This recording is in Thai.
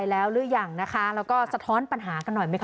แล้วก็สะท้อนปัญหากันหน่อยไหมคะ